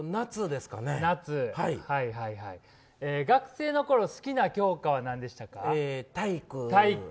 学生のころ、好きな教科はなんでしたか？